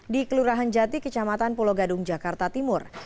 di kelurahan jati kecamatan pulau gadung jakarta timur